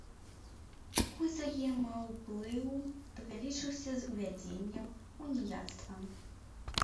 Узаемаўплыў павялічыўся з увядзеннем уніяцтва.